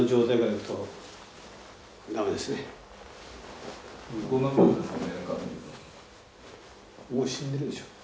もう死んでるでしょう。